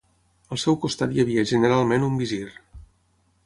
Al seu costat hi havia generalment un visir.